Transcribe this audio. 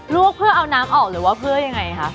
วกเพื่อเอาน้ำออกหรือว่าเพื่อยังไงคะ